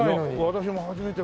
私も初めて。